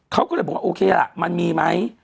เขาก็เลยบอกว่าโอเคล่ะมันมีไหม